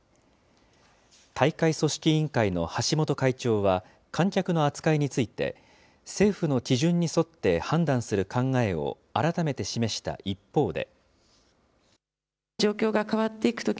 大会組織委員会の橋本会長は、観客の扱いについて、政府の基準に沿って判断する考えを改めて示した一方で。